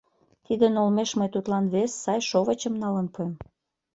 Тидын олмеш мый тудлан вес сай шовычым налын пуэм.